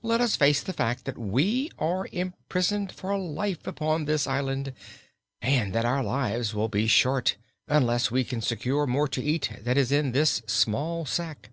Let us face the fact that we are imprisoned for life upon this island, and that our lives will be short unless we can secure more to eat than is in this small sack."